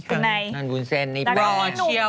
อันนั้นวุ้นเซ่นนี่แปลว่าเชียว